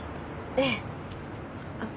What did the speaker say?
ええあっ